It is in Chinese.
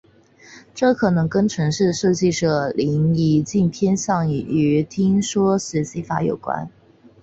这可能跟程式的设计者林宜敬偏向于听说学习法有关。